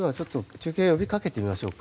中継を呼び掛けてみましょうか。